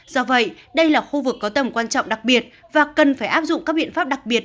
do vậy đây là khu vực có tầm quan trọng đặc biệt và cần phải áp dụng các biện pháp đặc biệt